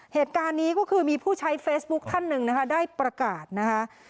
เหตุการณ์นี้ก็คือมีผู้ใช้เฟซบุ๊คท่านหนึ่งนะคะได้ประกาศนะคะ